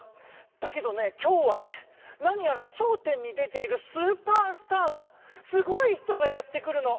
だけどね今日はね何やら『笑点』に出ているスーパースターのすごい人がやって来るの。